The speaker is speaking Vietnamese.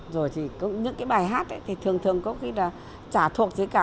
rồi thì những cái bài hát thì thường thường có khi là trả thuộc với cả